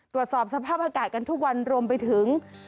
ตรวจสอบสภาพอากาศกันทุกวันรวมไปถึง